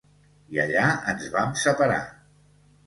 I allà ens vam separar.